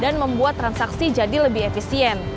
dan juga membuat transaksi jadi lebih efisien